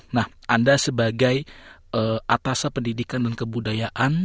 nah anda sebagai atasa pendidikan dan kebudayaan